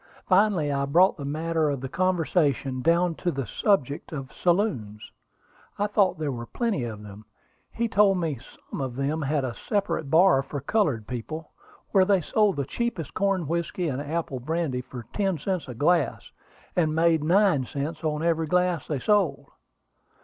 Finally I brought the matter of the conversation down to the subject of saloons. I thought there were plenty of them. He told me some of them had a separate bar for colored people, where they sold the cheapest corn whiskey and apple brandy for ten cents a glass, and made nine cents on every glass they sold."